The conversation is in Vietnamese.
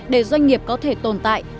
để doanh nghiệp có thể tồn tại